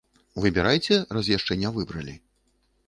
Выбірайце, раз яшчэ не выбралі.